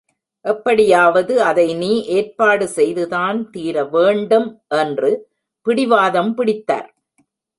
எப்படியாவது அதை நீ ஏற்பாடு செய்துதான் தீரவேண்டும் என்று பிடிவாதம் பிடித்தார்.